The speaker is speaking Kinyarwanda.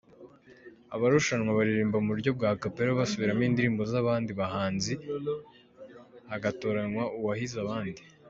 Abarushanwa baririmba mu buryo bwa Acapella basubirano indirimbo z’abandi bahanzi hagatoranywa uwahize abandi.